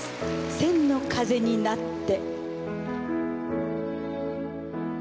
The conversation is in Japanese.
『千の風になって』。